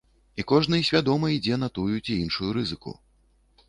І кожны свядома ідзе на тую ці іншую рызыку.